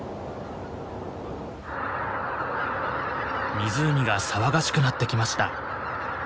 湖が騒がしくなってきました。